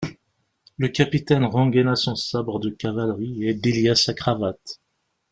Le capitaine rengaina son sabre de cavalerie, et délia sa cravate.